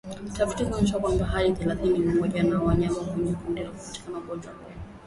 Tafiti zinaonyesha kwamba hadi theluthi moja ya wanyama kwenye kundi hupata ugonjwa huu